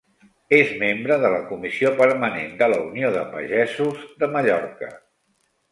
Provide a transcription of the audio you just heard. És membre de la Comissió Permanent de la Unió de Pagesos de Mallorca.